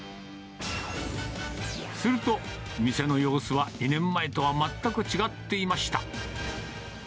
すると、店の様子は２年前とは全く違っていました。